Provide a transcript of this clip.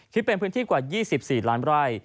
คิดเป็นพื้นที่กว่า๒๔ล้านไร่